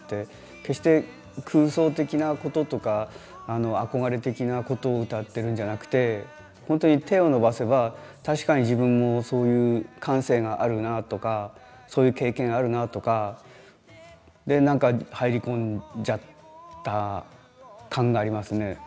決して空想的なこととか憧れ的なことを歌ってるんじゃなくて本当に手を伸ばせば確かに自分もそういう感性があるなとかそういう経験あるなとかでなんか入り込んじゃった感がありますね。